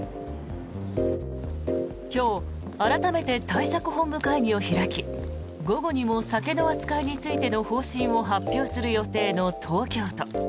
今日、改めて対策本部会議を開き午後にも酒の扱いについての方針を発表する予定の東京都。